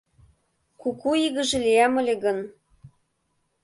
Куку игыже лиям ыле гын